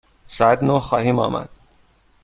ساعت نه خواهیم آمد.